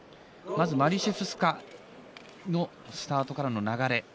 マリシェフスカのスタートからの流れ。